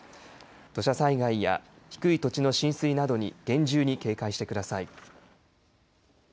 土砂災害や低い土地の浸水などに厳重に警戒してください。